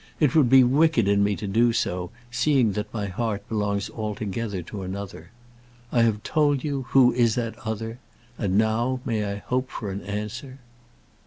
It would be wicked in me to do so, seeing that my heart belongs altogether to another. I have told you who is that other; and now may I hope for an answer?"